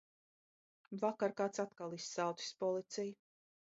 Vakar kāds atkal izsaucis policiju.